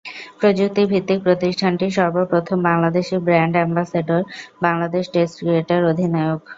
প্রযুক্তি ভিত্তিক প্রতিষ্ঠানটির সর্ব প্রথম Bangladeshi brand ambassador Bangladesh test ক্রিকেটের অধিনায়ক।